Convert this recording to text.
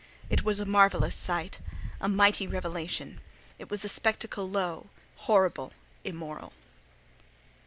It was a marvellous sight: a mighty revelation. It was a spectacle low, horrible, immoral.